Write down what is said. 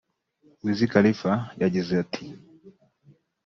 Wiz Khalifa yagize ati